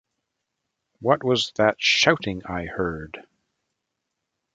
What was that shouting I heard?